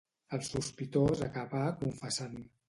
El sospitós acabà confessant.